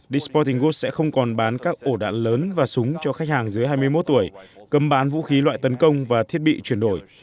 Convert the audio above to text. de sporting god sẽ không còn bán các ổ đạn lớn và súng cho khách hàng dưới hai mươi một tuổi cầm bán vũ khí loại tấn công và thiết bị chuyển đổi